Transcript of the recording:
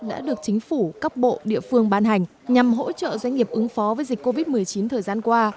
đã được chính phủ các bộ địa phương ban hành nhằm hỗ trợ doanh nghiệp ứng phó với dịch covid một mươi chín thời gian qua